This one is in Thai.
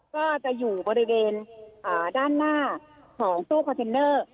ก็จะอยู่บริเวณด้านหน้าของตู้คอนเทนเนอร์